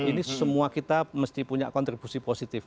ini semua kita mesti punya kontribusi positif